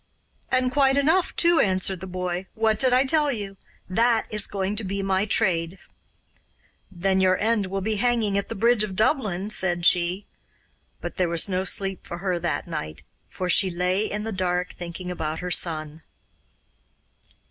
'And quite enough too,' answered the boy. 'What did I tell you? That is going to be my trade.' 'Then your end will be hanging at the bridge of Dublin,' said she. But there was no sleep for her that night, for she lay in the dark thinking about her son.